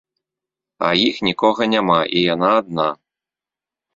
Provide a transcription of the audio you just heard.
А іх нікога няма, і яна адна.